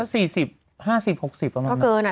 ก็๔๐๕๐๖๐ประมาณนั้น